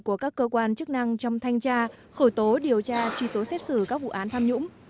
của các cơ quan chức năng trong thanh tra khởi tố điều tra truy tố xét xử các vụ án tham nhũng